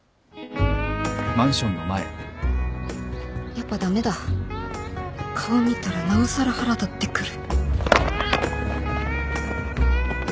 やっぱ駄目だ顔見たらなおさら腹立ってくる